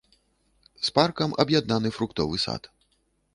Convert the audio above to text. З паркам аб'яднаны фруктовы сад.